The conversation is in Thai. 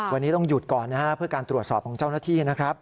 วันนี้ต้องหยุดก่อนนะครับเพื่อการตรวจสอบของเจ้าหน้าที่นะครับ